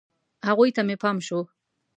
هغوی ته مې پام شو.